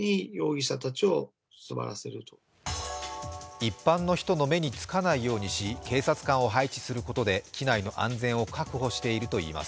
一般の人の目につかないように、警察官を配置することで機内の安全を確保しているといいます。